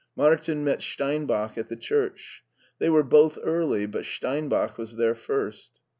Martin met Steinbach at the church. They were both early, but Steinbach was there first.